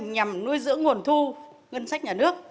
nhằm nuôi dưỡng nguồn thu ngân sách nhà nước